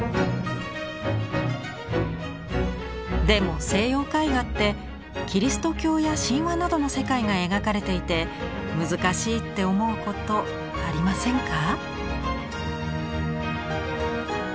でも西洋絵画ってキリスト教や神話などの世界が描かれていて難しいって思うことありませんか？